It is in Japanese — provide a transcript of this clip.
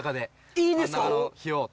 いいんですか！